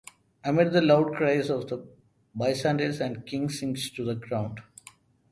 Amid the loud cries of the bystanders the King sinks to the ground.